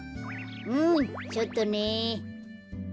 うんちょっとね。